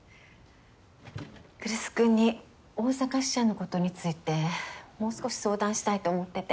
来栖君に大阪支社のことについてもう少し相談したいと思ってて。